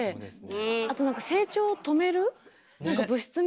あと何か成長を止める何か物質みたいのが。